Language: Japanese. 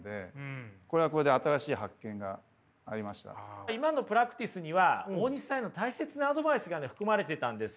これはこれで今のプラクティスには大西さんへの大切なアドバイスが含まれてたんです。